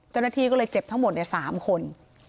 จนทีก็เลยเจ็บทั้งหมดใน๓คน